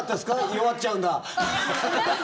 「弱っちゃうんだ」。